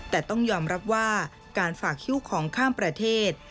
แต่ต้องยอมรับว่าการฝากคิ้วของข้ามประเทศ